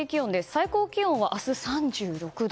最高気温は明日、３６度。